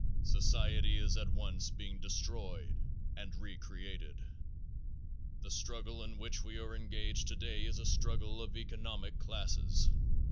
Society is at once being destroyed and re created. The struggle in which we are engaged today is a struggle of economic classes.